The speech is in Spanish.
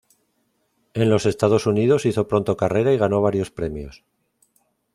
En los Estados Unidos hizo pronto carrera y ganó varios premios.